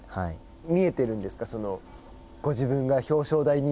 見えているんですか。